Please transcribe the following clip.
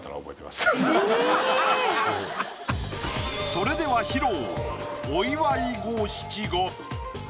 それでは披露。